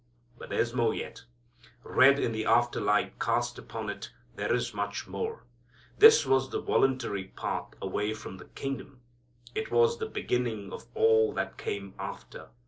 But there's more yet. Read in the after light cast upon it there is much more. This was the voluntary path away from the kingdom. It was the beginning of all that came after.